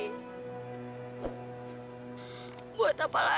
aku emang gak berguna sama sekali